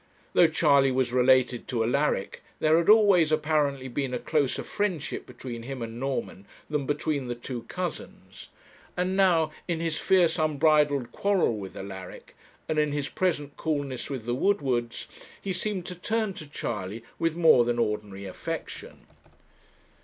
Though Charley was related to Alaric, there had always apparently been a closer friendship between him and Norman than between the two cousins; and now, in his fierce unbridled quarrel with Alaric, and in his present coolness with the Woodwards, he seemed to turn to Charley with more than ordinary affection.